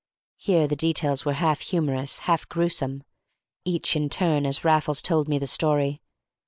Here the details were half humorous, half grewsome, each in turn as Raffles told me the story.